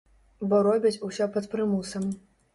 Бо робяць усё пад прымусам.